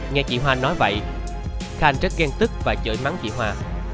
nghe chị hoa nói vậy khanh rất ghen tức và chởi mắn chị hoa